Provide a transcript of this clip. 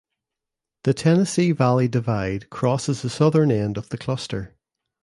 The Tennessee Valley Divide crosses the southern end of the cluster.